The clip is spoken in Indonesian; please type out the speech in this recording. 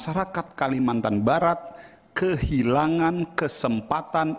masyarakat kalimantan barat kehilangan kesempatan